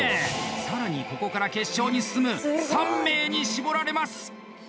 さらに、ここから決勝に進む３名に絞られます！